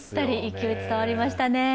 勢い伝わりましたね。